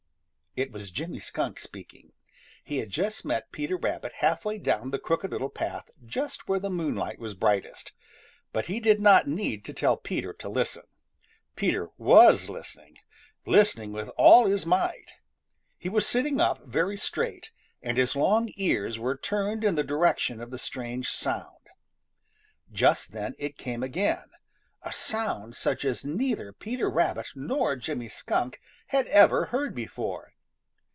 It was Jimmy Skunk speaking. He had just met Peter Rabbit halfway down the Crooked Little Path just where the moonlight was brightest. But he did not need to tell Peter to listen. Peter was listening, listening with all his might. He was sitting up very straight, and his long ears were turned in the direction of the strange sound. Just then it came again, a sound such as neither Peter Rabbit nor Jimmy Skunk had ever heard before.